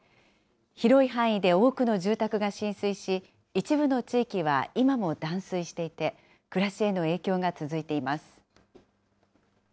広い範囲で多くの住宅が浸水し、一部の地域は今も断水していて、暮らしへの影響が続いています。